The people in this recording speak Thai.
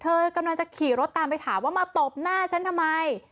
เธอกำลังจะขี่รถตามไปถามว่ามาตบหน้าฉันทำไม